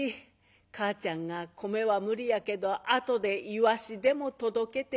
母ちゃんが米は無理やけど後でイワシでも届けてやるわい」。